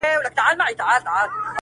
که به ډنډ ته د سېلۍ په زور رسېږم،